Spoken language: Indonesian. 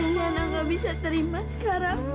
ini niana gak bisa terima sekarang